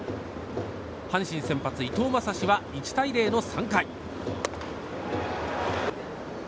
阪神先発、伊藤将司は１対０の３回。